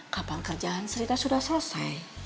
kapal kerjaan sri sudah selesai